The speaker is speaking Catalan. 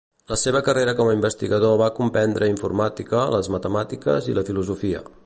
La seva carrera com a investigador va comprendre informàtica, les matemàtiques i la filosofia.